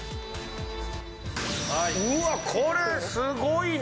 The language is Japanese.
うわっこれすごいな。